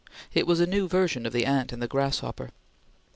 It was a new version of the Ant and Grasshopper.